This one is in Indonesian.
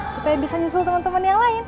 supaya bisa nyusul temen temen yang lain